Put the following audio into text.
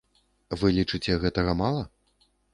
Вы лічыце, гэтага мала?